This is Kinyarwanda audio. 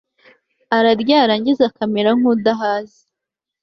ararya yarangiza akemera nkudahaze